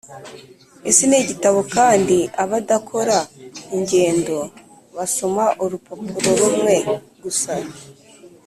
isi nigitabo kandi abadakora ingendo basoma urupapuro rumwe gusa.